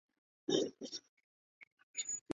多尔多尼河畔阿莱。